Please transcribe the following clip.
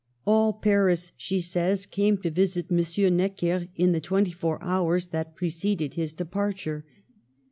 " All Paris," she says, " came to visit M. Necker in the twenty four hours that preceded his departure.